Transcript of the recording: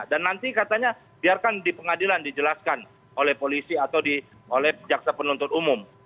dan nanti katanya biarkan di pengadilan dijelaskan oleh polisi atau di jaksa penuntut umum